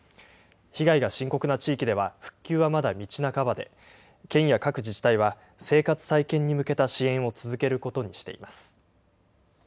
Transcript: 被害が深刻な地域では、復旧はまだ道半ばで、県や各自治体は生活再建に向けた支援を続けることにしています。